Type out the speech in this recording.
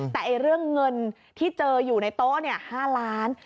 แต่เรื่องเงินที่เจออยู่ในโต๊ะ๕ล้าน